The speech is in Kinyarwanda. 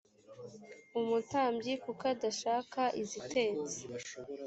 umutambyi kuko adashaka izitetse